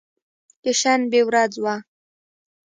د شنبې ورځ وه.